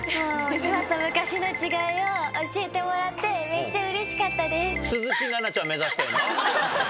今と昔の違いを教えてもらってめっちゃうれしかったです。